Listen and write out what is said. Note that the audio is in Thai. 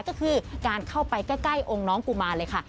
ก็คือการเข้าไปใกล้องค์น้องกุมารเลยค่ะ